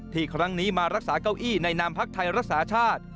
ครั้งนี้มารักษาเก้าอี้ในนามพักไทยรักษาชาติ